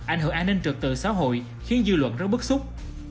ảnh hưởng an ninh trực tự xã hội khiến dư luận rất bức xúc